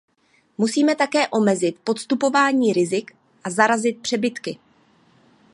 Musíme také omezit podstupování rizik a zarazit přebytky.